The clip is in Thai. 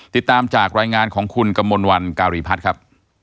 ติดตามจากรายงานของคุณกมลวันการีพัฒน์ครับ